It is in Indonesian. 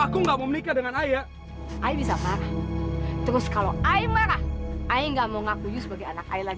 kamu tanya saja sama orang yang bersangkutan